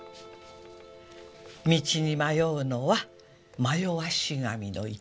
道に迷うのは迷わし神のいたずら。